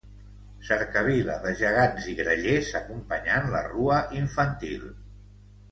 Cercavila de gegants i grallers acompanyant la rua infantil.